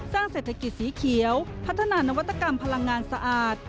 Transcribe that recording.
สร้างเศรษฐกิจสีเขียวพัฒนานวัตกรรมพลังงานสะอาด